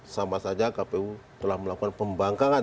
sama saja kpu telah melakukan pembangkangan